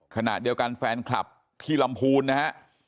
ขณะเดียวกันแฟนคลับที่ลำพูนนะฮะ